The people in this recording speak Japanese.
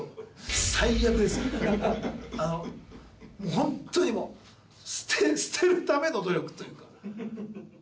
ホントにもう捨てるための努力というか。